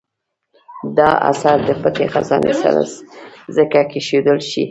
دا اثر د پټې خزانې سره ځکه کېښودل شي.